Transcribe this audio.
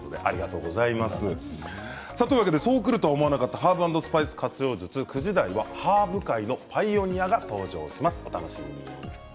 そうくると思わなかったハーブ＆スパイス活用術９時台はハーブ界のパイオニアが登場します。